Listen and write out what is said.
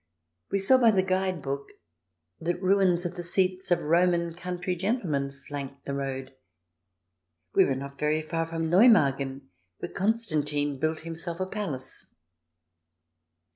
We saw by the guide book that ruins of the seats of Roman country gentlemen flank the road ; we were not very far from Neumagen, where Constantine built himself a palace.